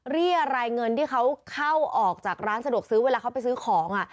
เรียกรายเงินที่เขาเข้าออกจากร้านสะดวกซื้อเวลาเขาไปซื้อของ